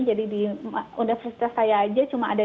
jadi di universitas saya aja cuma ada